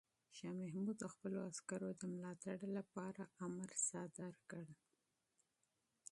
شاه محمود د خپلو عسکرو د ملاتړ لپاره امر صادر کړ.